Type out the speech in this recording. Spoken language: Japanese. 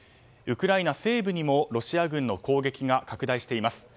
ウクライナ西部にもロシア軍の攻撃が拡大しています。